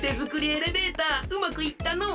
エレベーターうまくいったのう。